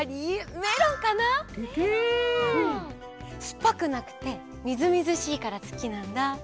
すっぱくなくてみずみずしいからすきなんだ。